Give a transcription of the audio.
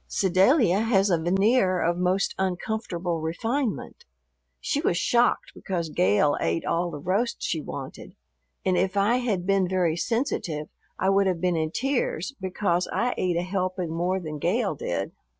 Sedalia has a veneer of most uncomfortable refinement. She was shocked because Gale ate all the roast she wanted, and if I had been very sensitive I would have been in tears, because I ate a helping more than Gale did.